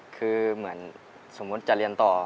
คือเหมือนสมมุติจะเรียนต่อ